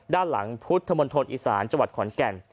ด้านหลังพุทธมณฑลอีสานจังหวัดขอนแก่น